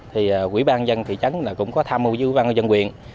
thì quỹ ban dân thị trấn cũng có tham mưu với quỹ ban dân quyền